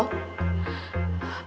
karena setiap romand deket lu